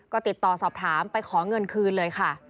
ก็ติดต่อสอบถามไปขอเงินคืนเลยค่ะ